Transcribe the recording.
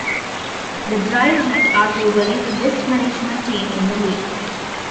The Drive had, arguably, the best management team in the league.